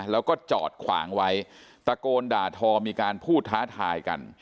แล้วก็จอดขวางไว้ตะโกนด่าทอมีการพูดท้าทายกัน